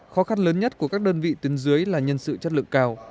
khó khăn lớn nhất của các đơn vị tuyến dưới là nhân sự chất lượng cao